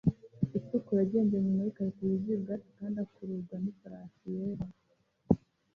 itukura agendera inyuma yikarito yuzuye ubwatsi kandi akururwa nifarasi yera